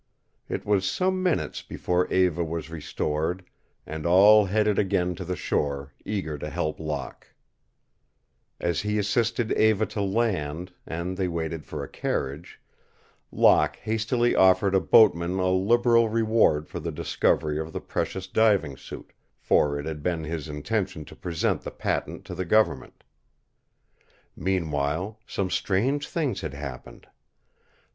It was some minutes before Eva was restored and all headed again to the shore, eager to help Locke. As he assisted Eva to land, and they waited for a carriage, Locke hastily offered a boatman a liberal reward for the discovery of the precious diving suit, for it had been his intention to present the patent to the government. Meanwhile some strange things had happened.